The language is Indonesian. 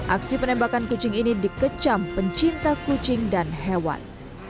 aksi penembakan kucing ini dikecam pencinta kucing dan hewan